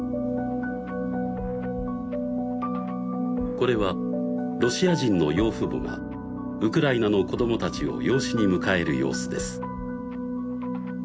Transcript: これはロシア人の養父母がウクライナの子どもたちを養子に迎える様子です